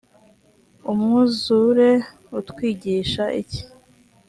umwuzure utwigisha iki?